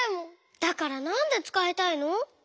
だからなんでつかいたいの？